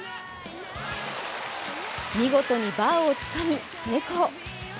見事にバーをつかみ、成功！